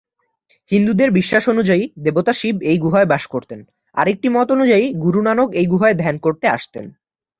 হিন্দুদের বিশ্বাস অনুযায়ী দেবতা শিব এই গুহায় বাস করতেন, আরেকটি মত অনুযায়ী গুরু নানক এই গুহায় ধ্যান করতে আসতেন।